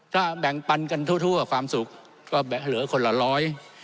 ถ้าแบ่งปันกันทั่วความสุขก็เหลือคนละร้อย